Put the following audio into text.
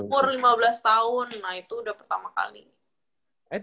umur lima belas tahun nah itu udah pertama kali